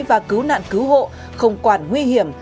và cứu nạn cứu hộ không quản nguy hiểm